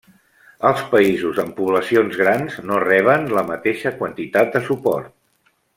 Els països amb poblacions grans no reben la mateixa quantitat de suport.